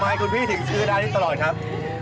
ทำไมคุณพี่ถึงชื่ออันนี้ตลอดครับ